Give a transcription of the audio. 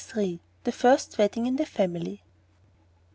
THE FIRST WEDDING IN THE FAMILY.